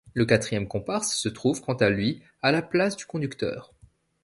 Le quatrième comparse se trouve quant à lui à la place du conducteur.